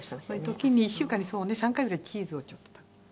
時に１週間にそうね３回ぐらいチーズをちょっと食べる。